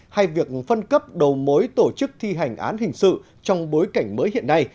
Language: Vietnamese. hay việc phân cấp đầu mối tổ chức thi hành án hình sự trong bối cảnh mới hiện nay